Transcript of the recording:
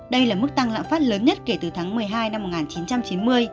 đây là mức tăng lãng phát lớn nhất kể từ tháng một mươi hai năm một nghìn chín trăm chín mươi